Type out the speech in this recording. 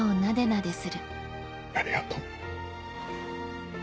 ありがとう。